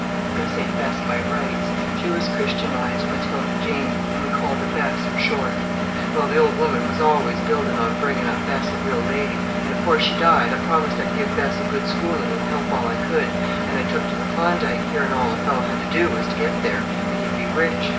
Bess ain't Bess by rights; she was christianized Matilda Jane, and we called her Bess for short. Well, the old woman was always building on bringing up Bess a real lady, and afore she died I promised I'd give Bess a good schooling and help all I could, and I took to the Klondike, hearing all a fellow had to do was to get there, and he'd be rich.